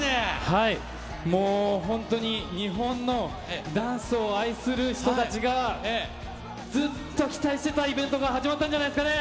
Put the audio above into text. はい、もう本当に日本のダンスを愛する人たちが、ずっと期待してたイベントが始まったんじゃないですかね。